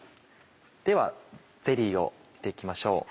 ではゼリーを見て行きましょう。